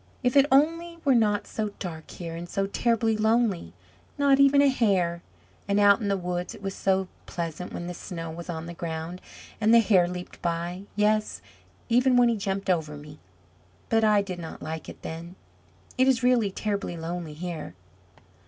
If it only were not so dark here, and so terribly lonely! Not even a hare. And out in the woods it was so pleasant, when the snow was on the ground, and the hare leaped by; yes even when he jumped over me; but I did not like it then. It is really terribly lonely here!"